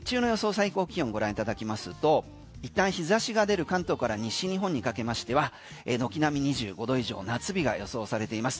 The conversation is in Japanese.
最高気温ご覧いただきますといったん日差しが出る関東から西日本にかけましては軒並み２５度以上の夏日が予想されています。